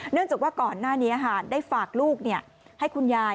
จากว่าก่อนหน้านี้ได้ฝากลูกให้คุณยาย